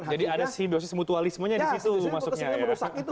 jadi ada simbiosis mutualismenya disitu